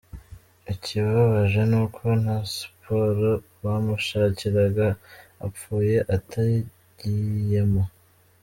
ikibabaje nuko na civpol bamushakiraga apfuye atayigiyemo.